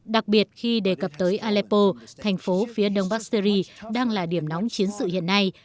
đặc biệt khi đề cập tới aleppo thành phố phía đông bắc syri đang là điểm nóng chiến sự hiện nay